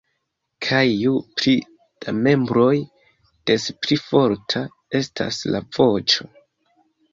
Kaj ju pli da membroj des pli forta estas la voĉo.